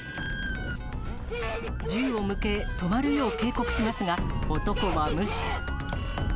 銃を向け、止まるよう警告しますが、男は無視。